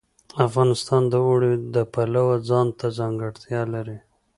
افغانستان د اوړي د پلوه ځانته ځانګړتیا لري.